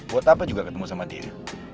buat apa juga ketemu sama diri